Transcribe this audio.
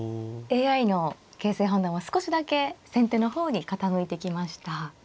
ＡＩの形勢判断は少しだけ先手の方に傾いてきました。